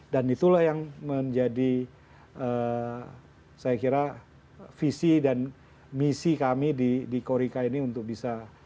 dan itulah yang menjadi saya kira visi dan misi kami di korica ini untuk bisa